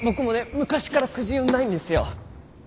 昔からくじ運ないんですよ。